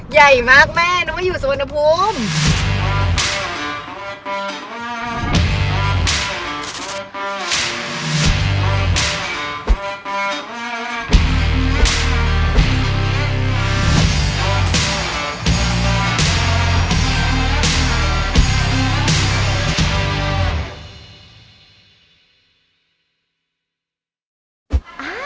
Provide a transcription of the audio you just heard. ใหญ่มากแม่เรามาอยู่สวนภูมิ